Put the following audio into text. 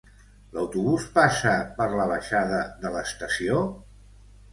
L'autobús passa per la baixada de l'estació?